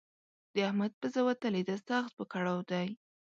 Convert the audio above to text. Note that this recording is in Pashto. د احمد پزه وتلې ده؛ سخت په کړاو دی.